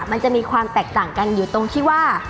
มันจะมีความแตกต่างกันอยู่ตรงที่ว่า